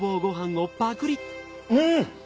うん！